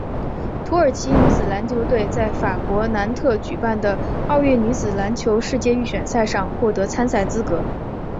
土耳其女子篮球队在法国南特举办的奥运女子篮球世界预选赛上获得参赛资格。